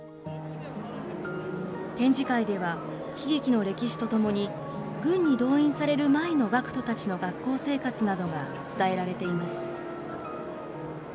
展示会では、悲劇の歴史とともに、軍に動員される前の学徒たちの学校生活などが伝えられています。